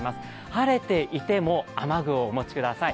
晴れていても雨具をお持ちください。